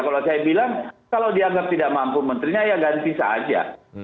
kalau saya bilang kalau dianggap tidak mampu menterinya ya ganti saja